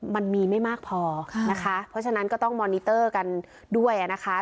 มันมีไม่มากพอนะคะเพราะฉะนั้นก็ต้องมอนิเตอร์กันด้วยนะคะ